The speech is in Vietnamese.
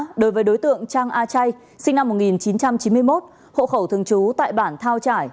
truy nã đối với đối tượng trang a chay sinh năm một nghìn chín trăm chín mươi một hộ khẩu thường chú tại bản thao trải